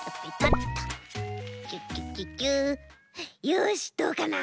よしどうかな？